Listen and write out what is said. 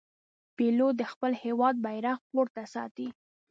پیلوټ د خپل هېواد بیرغ پورته ساتي.